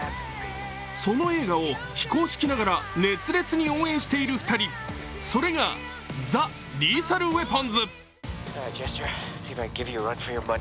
その映画を非公式ながら熱烈に応援している２人、それが、ザ・リーサルウェポンズ。